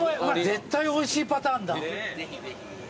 絶対おいしいパターンだ。